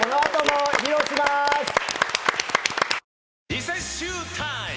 リセッシュータイム！